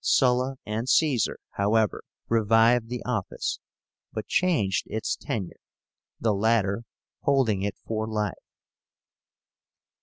Sulla and Caesar, however, revived the office, but changed its tenure, the latter holding it for life.